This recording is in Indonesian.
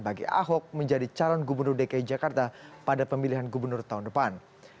bagi ahok menjadi calon gubernur dki jakarta pada pemilihan gubernur tahun depan